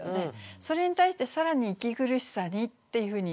それに対して更に「息苦しさに」っていうふうに言ってる。